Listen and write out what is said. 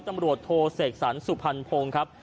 ตำรวจโทเสกสรรสุพรรณพงศ์ครับ